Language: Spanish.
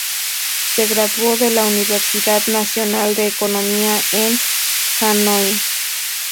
Se graduó de la universidad nacional de economía en Hanói.